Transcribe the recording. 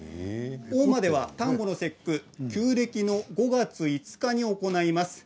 大間では端午の節句旧暦の５月５日に行います。